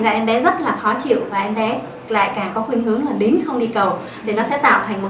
và em bé rất là khó chịu và em bé lại càng có khuyến hướng là nín không đi cầu để nó sẽ tạo thành một